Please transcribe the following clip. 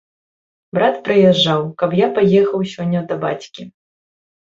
Брат прыязджаў, каб я паехаў сёння да бацькі.